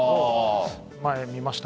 前、見ました。